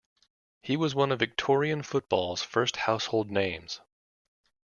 He was one of Victorian football's first household names.